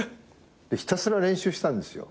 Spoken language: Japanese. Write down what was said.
ひたすら練習してたんですよ。